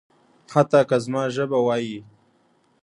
حتی که زما ژبه وايي.